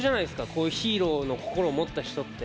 こういうヒーローの心を持った人って。